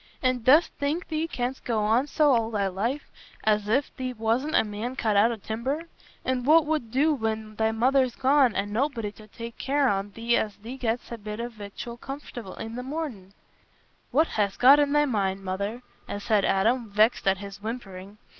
"An' dost think thee canst go on so all thy life, as if thee wast a man cut out o' timber? An' what wut do when thy mother's gone, an' nobody to take care on thee as thee gett'st a bit o' victual comfortable i' the mornin'?" "What hast got i' thy mind, Mother?" said Adam, vexed at this whimpering.